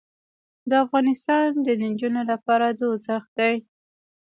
دافغانستان د نجونو لپاره دوزخ دې